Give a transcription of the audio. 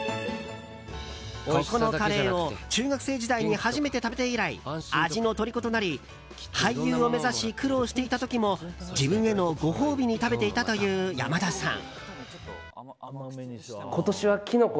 ここのカレーを中学生時代に初めて食べて以来味のとりことなり俳優を目指し苦労していた時も自分へのご褒美に食べていたという山田さん。